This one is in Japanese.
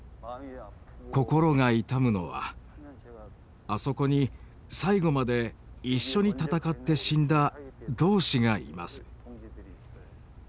心が痛むのはあそこに最後まで一緒に闘って死んだ同士がいます。